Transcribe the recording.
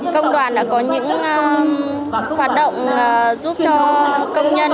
công đoàn đã có những hoạt động giúp cho công nhân